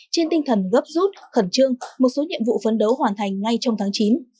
trên tinh thần gấp rút khẩn trương một số nhiệm vụ phấn đấu hoàn thành ngay trong tháng chín